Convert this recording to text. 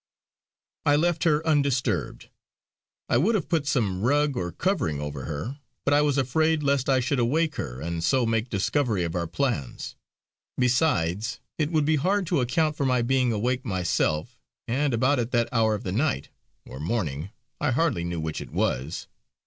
I left her undisturbed; I would have put some rug or covering over her; but I was afraid lest I should awake her, and so make discovery of our plans. Besides it would be hard to account for my being awake myself and about at that hour of the night or morning, I hardly knew which it was.